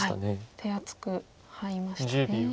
手厚くハイましたね。